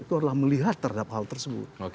itu adalah melihat terhadap hal tersebut